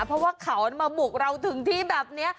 เพราะว่าเขามาบุกเราถึงที่แบบนี้